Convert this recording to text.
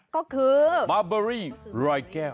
บอมเบอรี่รอยแก้ว